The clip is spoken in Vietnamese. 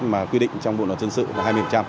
mà quy định trong bộ nói chân sự là hai mươi